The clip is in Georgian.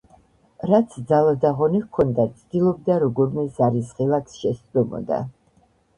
რაც ძალა და ღონე ჰქონდა, ცდილობდა როგორმე ზარის ღილაკს შესწვდომოდა